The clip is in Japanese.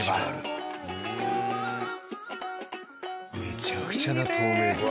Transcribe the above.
めちゃくちゃな透明度。